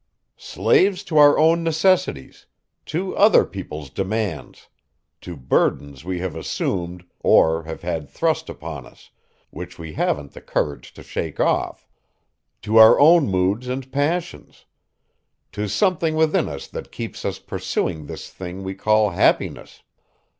"Slaves to our own necessities; to other people's demands; to burdens we have assumed, or have had thrust upon us, which we haven't the courage to shake off. To our own moods and passions. To something within us that keeps us pursuing this thing we call happiness.